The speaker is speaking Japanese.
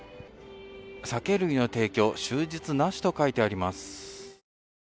酒類の提供、終日なしと書いてあります。